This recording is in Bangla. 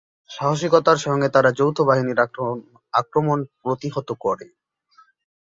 সাহসিকতার সঙ্গে তারা যৌথ বাহিনীর আক্রমণ প্রতিহত করে।